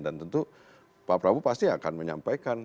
dan tentu pak prabowo pasti akan menyampaikan